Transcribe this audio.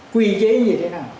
quy chế như thế nào